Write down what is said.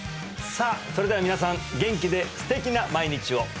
さあそれでは皆さん元気で素敵な毎日を！